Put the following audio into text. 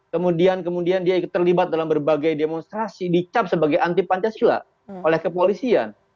kemudian kemudian dia terlibat dalam berbagai demonstrasi dicap sebagai anti pancasila oleh kepolisian